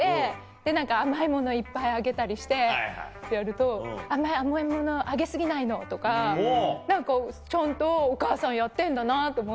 で何か甘いものいっぱいあげたりしてやると「あんまり甘いものあげ過ぎないの」とか何かちゃんとお母さんやってんだなと思って。